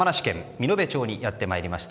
身延町にやってまいりました。